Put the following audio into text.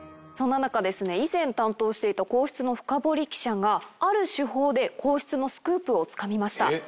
そんな中以前担当していた皇室のフカボリ記者がある手法で皇室のスクープをつかみました。